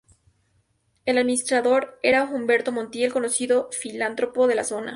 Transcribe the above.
El administrador era Humberto Montiel, conocido filántropo de la zona.